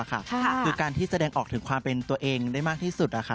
คือการที่แสดงออกถึงความเป็นตัวเองได้มากที่สุด